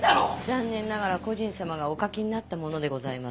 残念ながら故人様がお書きになったものでございます。